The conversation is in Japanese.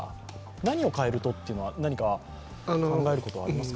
何を変えるとというのは、何か考えることはありますか。